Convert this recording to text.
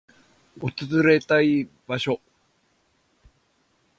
訪れたい場所